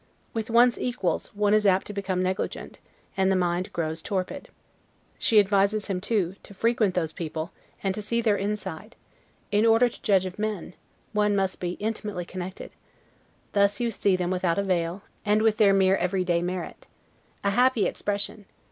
With one's equals, one is apt to become negligent, and the mind grows torpid. She advises him, too, to frequent those people, and to see their inside; In order to judge of men, one must be intimately connected; thus you see them without, a veil, and with their mere every day merit. A happy expression!